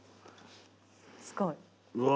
すごい。